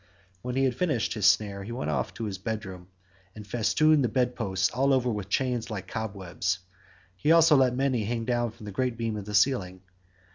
69 When he had finished his snare he went into his bedroom and festooned the bed posts all over with chains like cobwebs; he also let many hang down from the great beam of the ceiling.